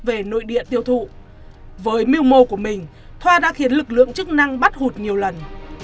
về nội địa tiêu thụ với mưu mô của mình thoa đã khiến lực lượng chức năng bắt hụt nhiều lần